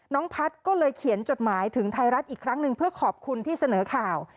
พัฒน์ก็เลยเขียนจดหมายถึงไทยรัฐอีกครั้งหนึ่งเพื่อขอบคุณที่เสนอข่าว